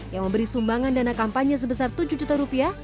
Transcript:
yang memberi sumbangan dana kampanye sebesar tujuh juta rupiah